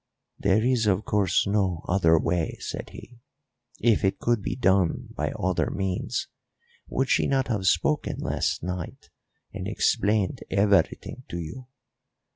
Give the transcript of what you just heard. "There is, of course, no other way," said he. "If it could be done by other means, would she not have spoken last night and explained everything to you?